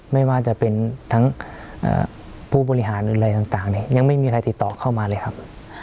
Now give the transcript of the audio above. ไม่ว่าจะเป็นทั้งผู้บริหารหรืออะไรต่างเนี่ยยังไม่มีใครติดต่อเข้ามาเลยครับ